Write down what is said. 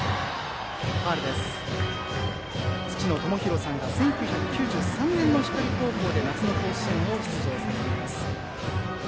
父のともひろさんが１９９３年の光高校で夏の甲子園を出場されています。